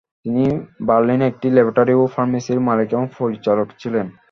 তিনি বার্লিনে একটি ল্যাবরেটরি ও ফার্মাসির মালিক এবং পরিচালক ছিলেন।